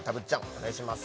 お願いします